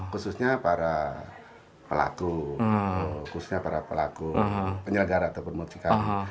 khususnya para pelaku khususnya para pelaku penyelenggara atau pemutihkan